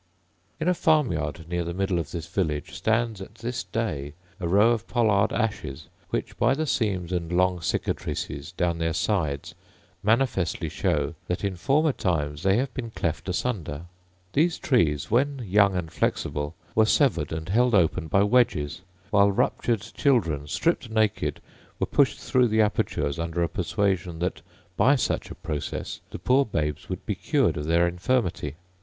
In a farm yard near the middle of this village stands, at this day, a row of pollard ashes, which, by the seams and long cicatrices down their sides, manifestly show that, in former times, they have been cleft asunder. These trees, when young and flexible, were severed and held open by wedges, while ruptured children, stripped naked, were pushed through the apertures, under a persuasion that, by such a process, the poor babes would be cured of their infirmity.